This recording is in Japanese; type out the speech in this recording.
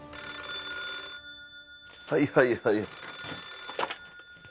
はいはいはい。